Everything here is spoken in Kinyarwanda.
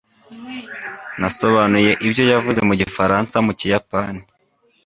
nasobanuye ibyo yavuze mu gifaransa mu kiyapani